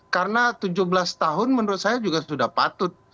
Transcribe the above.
karena tujuh belas tahun menurut saya juga sudah patut